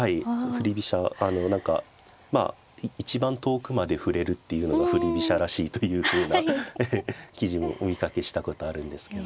振り飛車あの何かまあ一番遠くまで振れるっていうのが振り飛車らしいというふうな記事もお見かけしたことあるんですけど。